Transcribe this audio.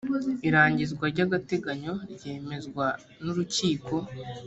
irangizwa ry agateganyo ryemezwa n urukik